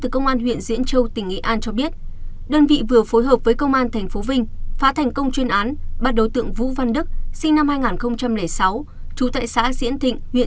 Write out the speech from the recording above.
các bạn hãy đăng ký kênh để ủng hộ kênh của chúng mình nhé